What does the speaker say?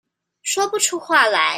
說不出話來